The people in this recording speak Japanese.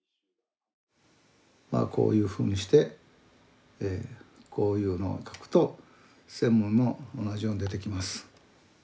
まあこういうふうにしてこういうのを書くと専務も同じように出てきます。